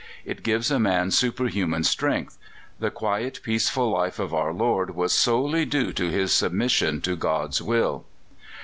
It gives a man superhuman strength.... The quiet, peaceful life of our Lord was solely due to His submission to God's will."